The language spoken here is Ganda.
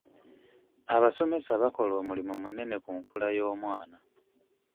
Abasomesa bakola omulimu munene ku nkula y'omwana.